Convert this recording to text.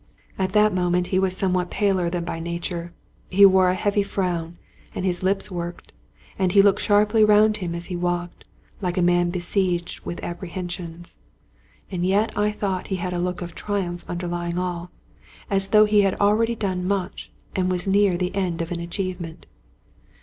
At that moment he was somewhat paler than by nature ; he wore a heavy frown ; and his lips worked, and he looked sharply round him as he walked, like a man besieged with apprehensions. And yet I thought he had a look of triumph underlying all, as though he had already done much, and was near the end of an achievement.